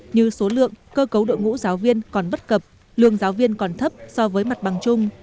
như số lượng cơ cấu đội ngũ giáo viên còn bất cập lương giáo viên còn thấp so với mặt bằng chung